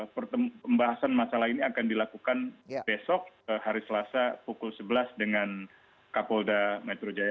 pembahasan masalah ini akan dilakukan besok hari selasa pukul sebelas dengan kapolda metro jaya